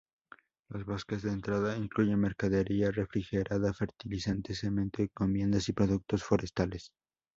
Los buques de entrada incluye mercadería refrigerada, fertilizantes, cemento, encomiendas y productos forestales.